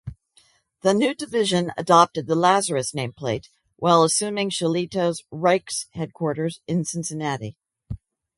The new division adopted the Lazarus nameplate, while assuming Shillito's Rike's headquarters in Cincinnati.